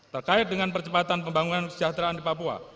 terkait dengan percepatan pembangunan kesejahteraan di papua